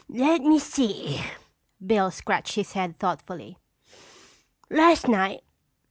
"Lemme see," Bill scratched his head thoughtfully. "Las' night."